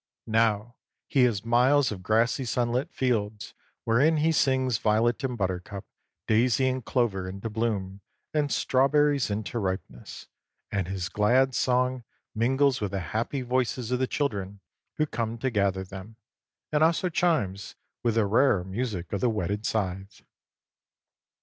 Now he has miles of grassy sunlit fields wherein he sings violet and buttercup, daisy and clover into bloom and strawberries into ripeness, and his glad song mingles with the happy voices of the children who come to gather them, and also chimes with the rarer music of the whetted scythe.